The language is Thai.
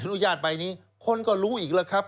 อุญาตใบนี้คนก็รู้อีกแล้วครับ